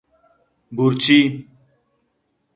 بورچی